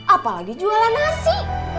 apalagi jualan nasi